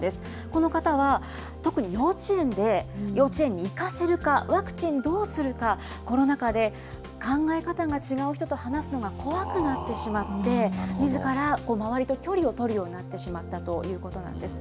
この方は、特に幼稚園で、幼稚園に行かせるか、ワクチンどうするか、コロナ禍で考え方が違う人と話すのが怖くなってしまって、みずから周りと距離を取るようになってしまったということなんです。